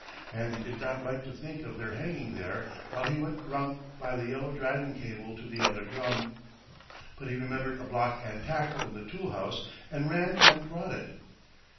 And he did not like to think of their hanging there while he went round by the Yellow Dragon cable to the other drum. But he remembered a block and tackle in the tool house, and ran and brought it.